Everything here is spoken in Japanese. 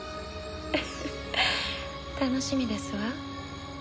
ウフッ楽しみですわ。